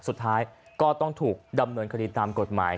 สุดท้ายก็ต้องถูกดำเนินคดีตามกฎหมาย